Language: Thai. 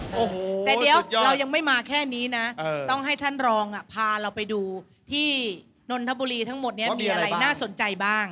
โอ้โหแต่เดี๋ยวเรายังไม่มาแค่นี้นะต้องให้ท่านรองพาเราไปดูที่นนทบุรีทั้งหมดนี้มีอะไรน่าสนใจบ้าง